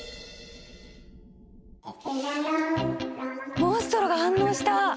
モンストロが反応した！